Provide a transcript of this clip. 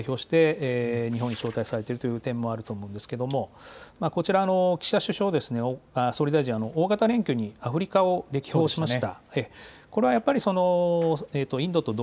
今回アフリカを代表して日本に招待されているというのもあると思うんですがこちらは岸田総理大臣が大型連休にアフリカを訪問しました。